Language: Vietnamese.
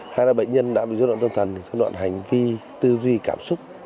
hai là bệnh nhân đã bị dối đoạn tâm thần dối đoạn hành vi tư duy cảm xúc